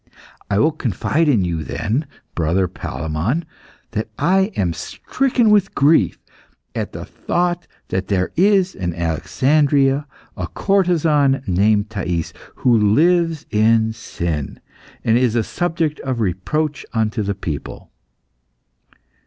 "I will confide in you, then, brother Palemon, that I am stricken with grief at the thought that there is, in Alexandria, a courtesan named Thais, who lives in sin, and is a subject of reproach unto the people."